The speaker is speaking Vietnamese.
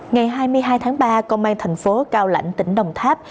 ngày hai mươi hai tháng ba công an thành phố cao lãnh tỉnh đồng tháp